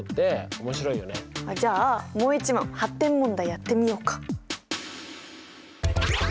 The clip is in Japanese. じゃあもう一問発展問題やってみようか。